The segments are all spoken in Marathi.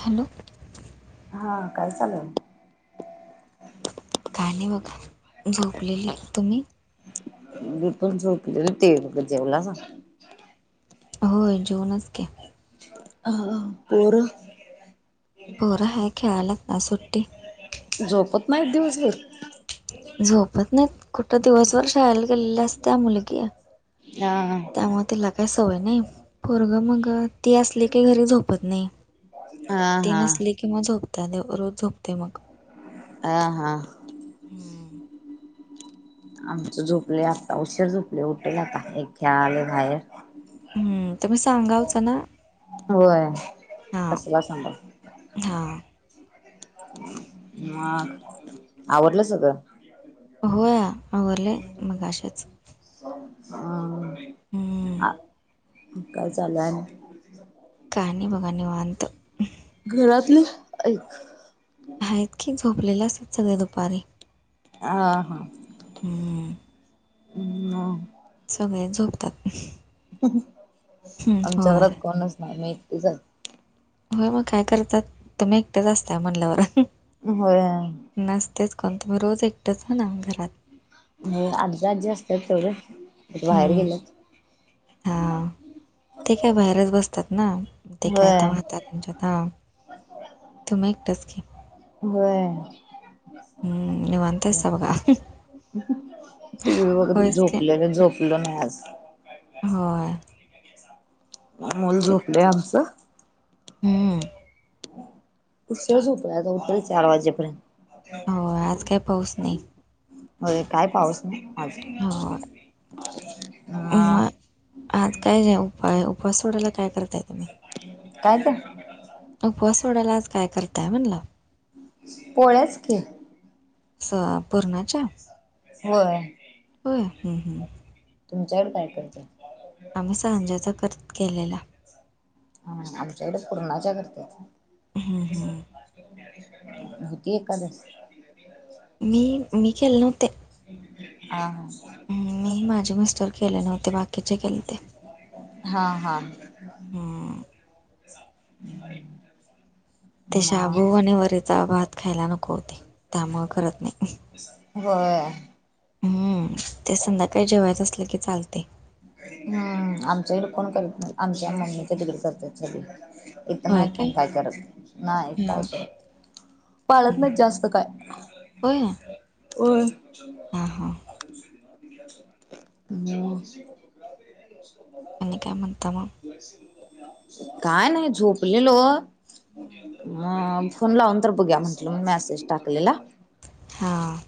हॅलो. हा काय चालु आहे? काय नाही बघा झोपलेलो. तुम्ही? मी पण झोपलेलो टीव्ही बघत. जेवलासा? होय जेवलोत की. हा पोर? पोर हाय खेळाल्यात आज सुट्टी. झोपत नाही दिवसभर. झोपत नाही कुठं दिवसभर शाळाला गेलेल्या असत्या मुलगी. हा. त्यामुळे तिला सवय नाही पोरग मग ती असली की झोपत नाही. हा ती हा नसली कि मग झोपत्या रोज झोपत्या मग. ह हा. हम्म. आमच झोपले आता उशिर झोपले उठेल आता एक खेळालय बाहेर. हम्म सांगावचं ना. होय हां कसला सां [unintelligible] हां. मग आवरलं सगंळ. हो या आवरले मगाशिच. ह काय चालु हाय आणि. काय नाही बघा निवांत. घरातली. हा इतकी झोपलेले असतात सगळे दुपारी. आ ह. हम. ह्. सगळे झोपतात. हं, आमच्या होय. घरात कोणच नाही मी एकटीच आहे. होय मग काय करतात तुम्ही एकटेच असताय म्हणल्यावर. [unintelligible] नसतेच कोण तुम्ही रोज एकटंच हो ना घरात. आजी आजी असतात तेवढं बाहेर गेल्यात. हा ते काय बाहेरच बसतात ना ते काय आता होय. म्हातारं म्हच्यात तुम्ही एकट्याच की. व्हय. हं, निवांत असता बघा. टीव्ही बघत होयच की. झोपलेलो झोप लो नाही आज. होय. मुलं ते झोपलयं आमचं. हं. उशिर झोपलं आहे आता उठल चार वाजेपर्यंत. हो आज काही पाऊस नाही. होय काय पाऊस नाही आज. म मगं आज काय उपा उपास सोडायला काय करताय तुम्ही? काय ते? उपवास सोडायला आज काय करताय म्हणलं? पोळ्याच की. स पूर्णाच्या. होय. हो हम् हम्. तुमच्याकडं काय करताय? आम्ही सांजाचा कर केलेला. हा आमच्याकड पूर्णाच्या करत्यात. हं, हं. होती एकादस. मी मी केले नव्हते. आ हा. मी माझे मिस्टर गेले नव्हते बाकीचे गेलते. हा हा. हम्म. हं. ते शाबू आणि वरीचा भात खायला नको होते त्यामुळे करत नाही. होय. हम्म ते संध्याकाळी जेवायच असलं की चालते. आमच्या इकड कोण करत नाही आमच्या मम्मीच्या तीकडे करतात सगळी. इत नाही तो काय करत, नाही काय हां. करत पाळत नाहीत हं. जास्त काय. होय? होय - हां, हां. म [unintelligible] आणि काय म्हणता मं? काय नाही झोपलेलो, म फोन लावून तर बघूया म्हटलं, म्हणून मॅसेज टाकलेला. हां.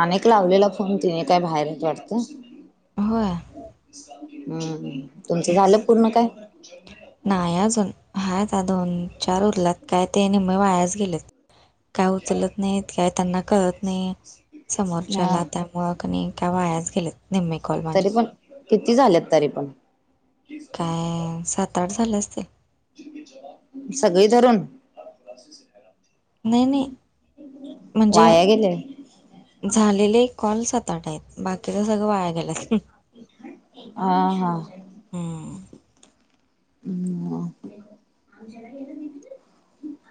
आनि एक लावलेला फोन, तिने काय बाहेर आहेत वाटतं. होय. हम्म, तुमचं झालं पूर्ण काय? नाही अजून, हायता दोन चार उरल्यात, काय ते निम्मं वायाच गेलेत. काय उचलत नाही, काय त्यांना कळत नाही. समोरच्याला हा त्यामुळं क नि, काय वायाच गेलेत निम्मे कॉल माझे. तरी पण किती झालेत तरी पण? काय सात आठ झाले असतील. सगळी धरून. नाही नाही, म्हणजे वाया गेले झालेले कॉल सात आठ आहेत, बाकीच सगळं वाया गेल्यात. हा हा. हम्म.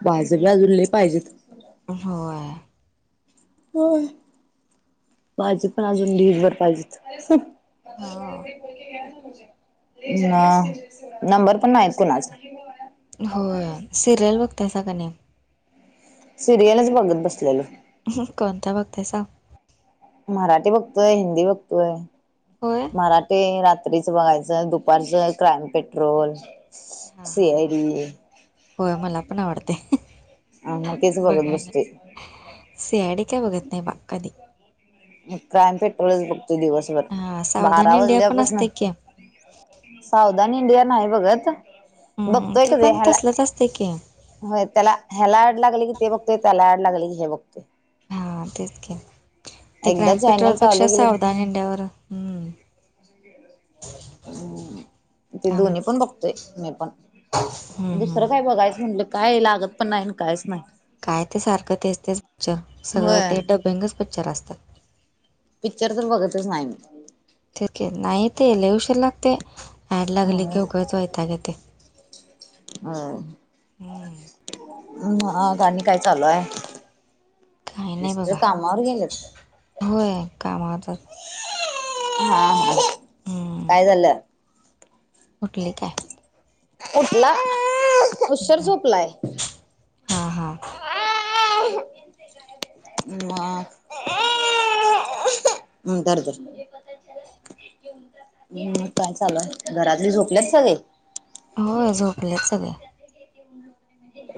माझं बी आजून लय पाहिजेत. होय. होय, माझे पण अजून ढिग भर पाहिजेत. हा ना, नंबर पण नाहीत कुणाचं. होय, सिरियल बघतायसा का नई. सिरियलच बघत बसलेलो. कोणत्या बघतायसा? मराठी बघतोय, हिंदी बघतोय, होय मराठी रात रात्रीच बघायचं, दुपारचं क्राईम पेट्रोल. हा हा सी आय हा, डी होय मला पण आवडतय. हा मग तेच बघत बसतोय. सीआयडी काय बघत नाही बा कधी. क्राईम पेट्रोलच बघतोय दिवसभर, हा सावधान बारा इंडिया वाजल्या पण पासनं असते की सावधन इंडिया नाही बघत, हम्म बघतोय ते कधि पण ह्याला तसलंच असते की होय त्याला ह्याला ऍड लागली की ते बघतोय, त्याला ऍड लागली की हे बघतोय. हां तेच की. ते एकदा क्राईम पेट्रोल चॅनल चालू पेक्षा केले सावधान इंडिया वर, हम्म. हम्म, ते थांब दुन्ही पण बघतोय मी पण, हं, हं. दुसरं काय बघायचं म्हणलं, काय लागत पण नाही आणि कायच नाही. काय ते सारखं तेच तेच पिक्चर, सगळं होय ते डब्बिंगच पीक्चर असत्यात. पिक्चर तर बघतच नाही मी. नाही ते लय उशीर लागतय, [unintelligible] एड लागली की उगच वैताग येतय. व्हय. हं. हम्म, मग आज आणि काय चालू आय.? काही नाही मिस्टर बघा. कामावर गेलेत? होय कामावर जात हा हा, काय झालं? ऊठली काय? ऊठला खुश्याल झोपलांय. हा हा म हम्म धर धर. हम् काय चालु आय, घरातले झोपलेत सगळे? होय झोपलेत सगळे.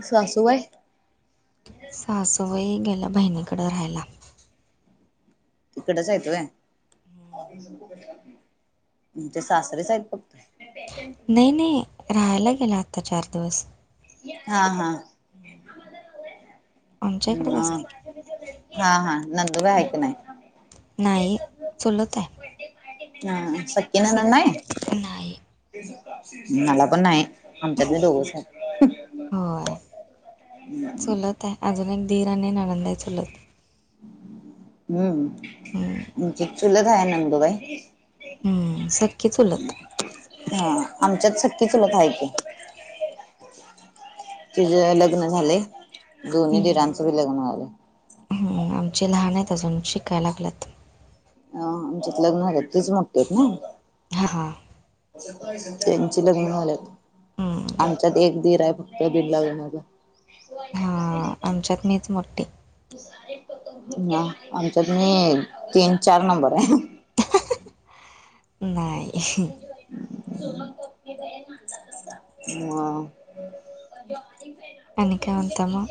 सासू बाई सासू बाई गेल्या बहिणीकडं राहायला तिकडंच हायत व्हय. हं. तुमचे सासरेच हायत फक्त. नई नई राहायला गेल्या आत्ता चार दिवस. हा हा आमच्या इकडेच असते. आ हा हा नंदू बाई हायका नाय न्हाई चुलताय. आ आं सक्की ननंद नाई सग नाही मला पण नाई. आमच्या बी दोघंचाय हो चुलताय अजून एक दिर आणि ननंदाय चुलत. हम्म चुलत हाय नंदुबाई. हम्म सख्खी चुलत. हां आमच्यात सख्खी चुलत हाय की. तुझं लग्नं झालंय दोन्ही दिरांचं बी लग्न झालं हुं आमचे लहानायत अजून शिकाय लागल्यात. अं आमच्यात लग्न झाल्यात तुच मोठ्ठीयत न. हां हां. त्यांची लग्न झाल्यात हम्म, आमच्यात एक दिराय फक्त बिन लग्नाचा. हा आमच्याच मीच मोठ्ठी. हा आमच्यात मी ए तीन चार नंबर. नाय. म आणि काय म्हणता मग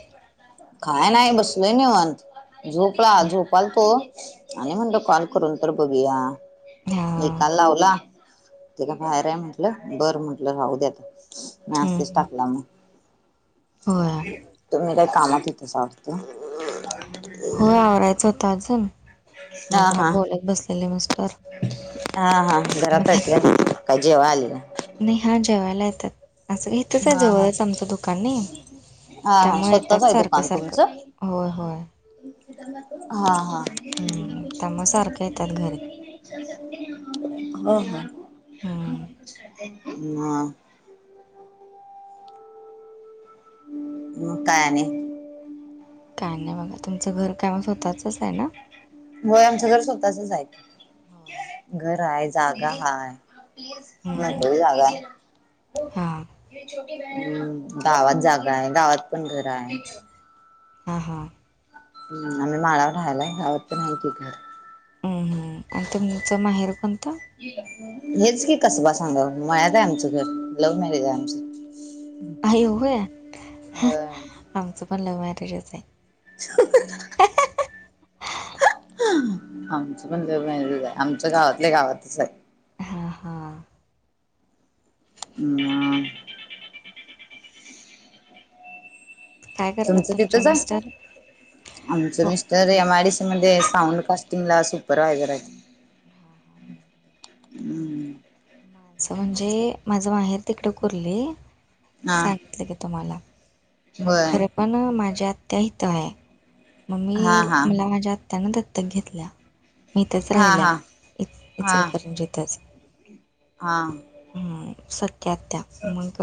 काय नाय बसलोय निवांत. झोपला झोपाल तो आणि म्हणलं कॉल करून तर बघूया. हा काल लावला तै का बाहेराय म्हटलं बरं म्हंटलं राहू द्या आता. हम्म, मेसेज हम्म. टाकला म. होय तुम्ही काय कामात होतेसा वाटतं. होय आवरायचं होतं अजून म हा जरा हा बोलत बसलेले मिस्टर. हा हा घरातायत का काय जेवाय आलेलं. नई हा जेवायला येतात असं का इथंचाय हा हा जवळच आमचं दुकान नई. हा हा त्यामुळे स्वतःच येतात आहे सारखं दुकान सारखं, तुमचं होय होय. हा हा हम्म त्यामुळं सारखं येतात घरी. ह हम्म, ह मग काय आणि? काय नाय बघा तुमचं घर काय म स्वतःचचाय न. व्हय आमचं घर स्वतःचच हाय, होय घर हाय जागा हा हम्म, मुकळी जागा हाय हां हम्म, गावात जागा हाय, गावात पण घर हाय. हां हां. हम्म, आम्ही माळावर राहायला हाय, गावात पण हाय की घर. ह्म्म, आणि तुमचं माहेर कोणतं? हेच की कसबा सांगाव, मळ्यात हाय आमचं घर, लव्ह मॅरेज हाय आमचं. आई होय, होय आमचं पण लव्ह मॅरेजच आहे. [inaudible] आमच पण लव्ह मॅरेजच आय, आमचं गावातल्या गावातच आय. हा हा. मग काय करतात तुमचं तुमचे तिथंच हाय. मिस्टर आमचं हो mister M I D C मध्ये साऊंड कास्टिंग ला सुपरवायझर आहेत. हां हां हम्म. असं म्हणजे, माझं माहेर तिकड कुरले, सांग हा सांगितलं की तुम्हाला, मग होय खरं पण, माझ्या आत्या इथं हाय. मग हा मी, हा मला माझ्या आत्यानं दत्तक घेतल्या. हीतच हा राहिल्या, हा इचलकरंजीतच. हां. ह्म्म, सख्खी आत्या, मग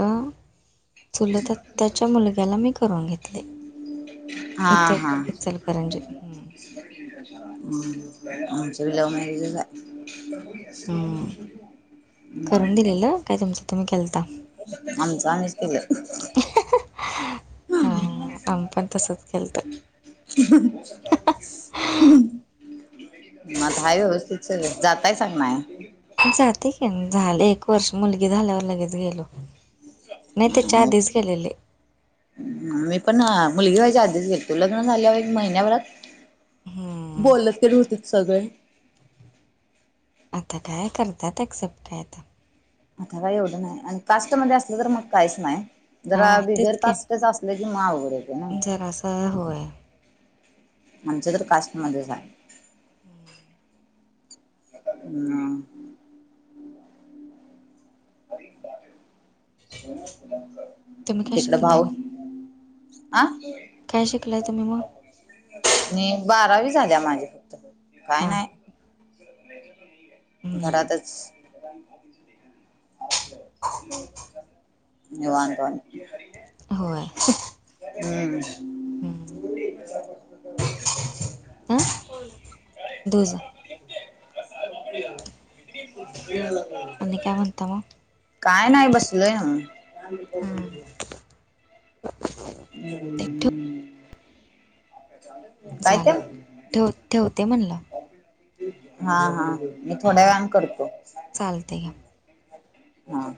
चुलत आत्याच्या मुलग्याला मी करून घेतले हां इथं हां. इचलकरंजी हम्म. [inaudible] आमचं बी लव मॅरेजचच हाय. हम्म. [inaudible] करून दिलेलं काय तुमचं तुम्ही केलता आमचं आम्हीच केलं. हां, आमी पण तसंच केलतं. [inaudible] मग आता हाय व्यवस्थित सगळं, जातायसा का नाय. जाते की, झालं एक वर्ष, मुलगी झाल्यावर लगेच गेलो. नाही तेच्या आधीच गेलेले. मी पण मुलगी व्हायच्या आधीच गेलतो, लग्न झाल्यावर ऐक महिन्याभरात हम्म. बोलत तन होतीत सगळे. आता काय करतात ॲक्सेप्ट काय आता. आता काय एवढं नाही, आणि कास्टमध्ये असलं तर मग काहीच नाय, जरा हां बिगर तेच की कास्ट असलं की मग अवघड येतय ना जरासं होय. आमचं तर कास्टमध्येच हाय. [inaudible] हम्म. तुम्ही काय तिकड शिकलाय भाऊ? अं काय शिकलाय तुम्ही मग मि, बारावी झाल्या माझी. काय हा नाय, हम्म घरातच. [inaudible] निवांतवाणी, होय हम्म. हां [unintelligible] धू जा. [unintelligible] आणि काय म्हणता मग? काय नाही बसलोय नव्हं. [unintelligible] हम्म ते ठेव [inaudible] झालंय ठेव-ठेवते म्हणलं. हां हां मी थोड्या वेळानं करतो. चालतंय घ्या. हां.